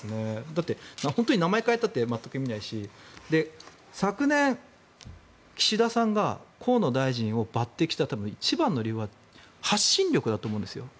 だって本当に名前変えたって意味ないし昨年、岸田さんが河野大臣を抜てきした一番の理由は発信力だと思うんですよ。